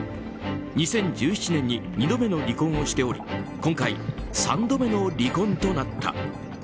２０１７年に２度目の離婚をしており今回、３度目の離婚となった。